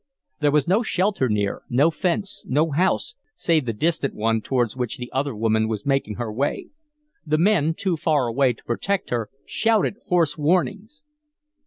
There was no shelter near, no fence, no house, save the distant one towards which the other woman was making her way. The men, too far away to protect her, shouted hoarse warnings.